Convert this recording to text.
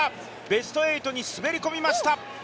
ベスト８に滑り込みました。